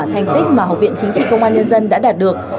thành tích mà học viện chính trị công an nhân dân đã đạt được